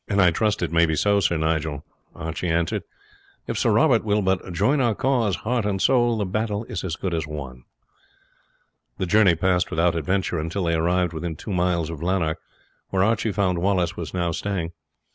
"I trust it may be so, Sir Nigel," Archie answered. "If Sir Robert will but join our cause, heart and soul, the battle is as good as won." The journey passed without adventure until they arrived within two miles of Lanark, where Archie found Wallace was now staying.